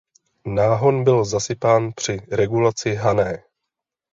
Náhon byl zasypán při regulaci Hané.